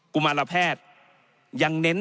ุมารแพทย์ยังเน้น